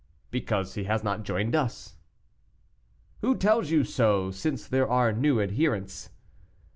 "Because he has not joined us." "Who tells you so, since there are new adherents?"